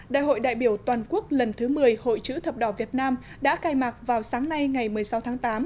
đại hội đại biểu toàn quốc lần thứ một mươi hội chữ thập đỏ việt nam đã khai mạc vào sáng nay ngày một mươi sáu tháng tám